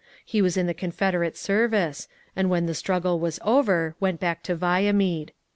He was in the Confederate service; and when the struggle was over, went back to Viamede.